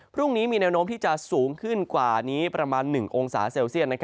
พรุ่งนี้มีแนวโน้มที่จะสูงขึ้นกว่านี้ประมาณ๑องศาเซลเซียต